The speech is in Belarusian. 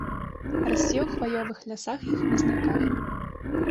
Расце ў хваёвых лясах і хмызняках.